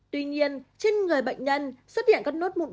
tuy nhiên trên người bệnh nhân